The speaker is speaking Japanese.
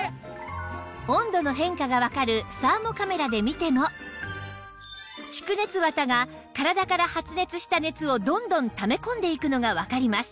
温度の変化がわかるサーモカメラで見ても蓄熱綿が体から発熱した熱をどんどんため込んでいくのがわかります